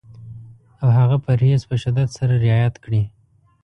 او هغه پرهېز په شدت سره رعایت کړي.